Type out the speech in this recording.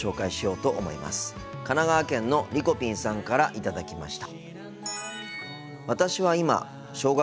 神奈川県のりこぴんさんから頂きました。